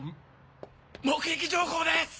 目撃情報です！